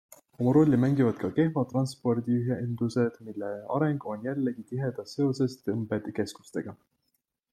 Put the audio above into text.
Oma rolli mängivad ka kehvad transpordiühendused, mille areng on jällegi tihedas seoses tõmbekeskustega.